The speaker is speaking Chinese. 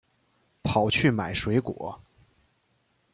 跑去买水果